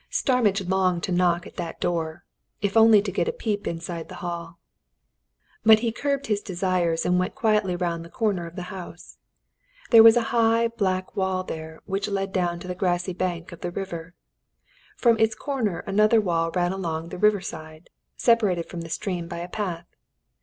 Starmidge longed to knock at that door if only to get a peep inside the hall. But he curbed his desires and went quietly round the corner of the house. There was a high black wall there which led down to the grassy bank of the river. From its corner another wall ran along the river side, separated from the stream by a path.